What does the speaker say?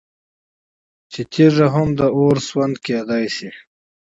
چې تيږي هم د اور سوند كېدى شي